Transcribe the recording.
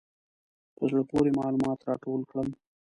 په زړه پورې معلومات راټول کړم.